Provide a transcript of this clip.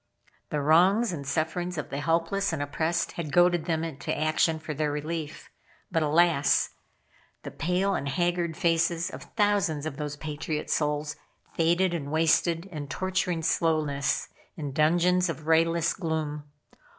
The wrongs and sufferings of the helpless and oppressed had goaded them to action for their relief. But, alas! The pale and haggard faces of thousands of those patriot souls faded and wasted in torturing slowness in dungeons of rayless gloom.